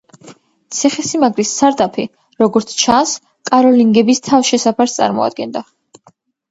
ციხესიმაგრის სარდაფი, როგორც ჩანს, კაროლინგების თავშესაფარს წარმოადგენდა.